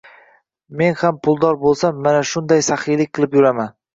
Men ham puldor bo`lsam mana shunday saxiylik qilib yuraman